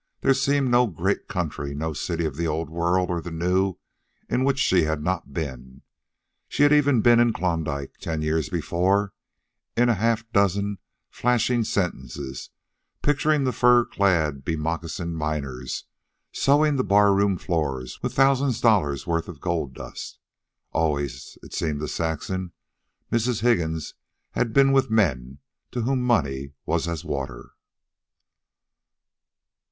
There seemed no great country nor city of the old world or the new in which she had not been. She had even been in Klondike, ten years before, in a half dozen flashing sentences picturing the fur clad, be moccasined miners sowing the barroom floors with thousands of dollars' worth of gold dust. Always, so it seemed to Saxon, Mrs. Higgins had been with men to whom money was as water.